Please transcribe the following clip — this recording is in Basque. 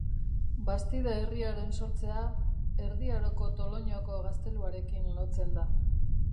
Bastida herriaren sortzea Erdi Aroko Toloñoko gazteluarekin lotzen da.